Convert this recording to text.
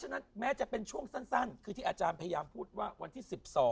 ฉะแม้จะเป็นช่วงสั้นคือที่อาจารย์พยายามพูดว่าวันที่๑๒